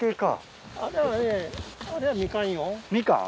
みかん？